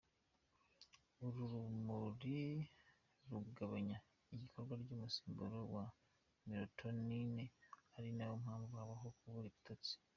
Uru rumuri rugabanya ikorwa ry’umusemburo wa mélatonine, ari nayo mpamvu habaho kubura ibitotsi .